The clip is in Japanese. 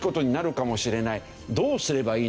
どうすればいいのか？